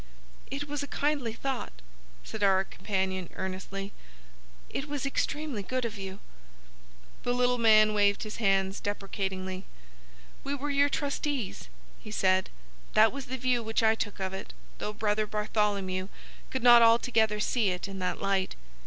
"It was a kindly thought," said our companion, earnestly. "It was extremely good of you." The little man waved his hand deprecatingly. "We were your trustees," he said. "That was the view which I took of it, though Brother Bartholomew could not altogether see it in that light.